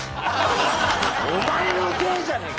お前のせいじゃねえか！